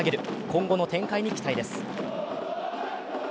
今後の展開に期待です。